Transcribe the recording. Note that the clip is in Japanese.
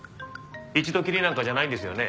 一度きりなんかじゃないんですよね？